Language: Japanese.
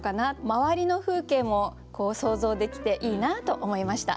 周りの風景も想像できていいなと思いました。